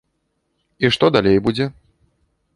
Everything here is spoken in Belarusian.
І што далей будзе?